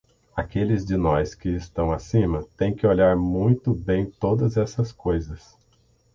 Aqueles de nós que estão acima têm que olhar muito bem todas essas coisas.